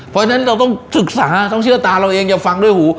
เพราะฉะนั้นเราต้องศึกษาต้องเชื่อตาเราเองอย่าฟังด้วยหู